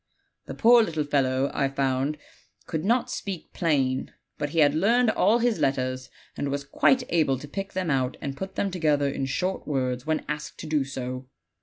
The poor little fellow, I found, could not speak plain; but he had learned all his letters, and was quite able to pick them out and put them together in short words when asked to do so.